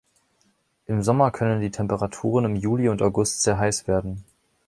Im Sommer können die Temperaturen im Juli und August sehr heiß werden.